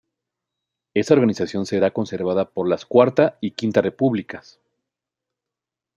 Esa organización será conservada por las cuarta y quinta repúblicas.